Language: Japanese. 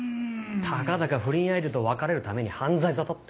たかだか不倫相手と別れるために犯罪沙汰って。